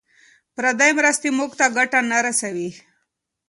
پردۍ مرستې موږ ته ګټه نه رسوي.